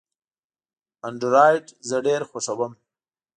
انډرایډ زه ډېر خوښوم.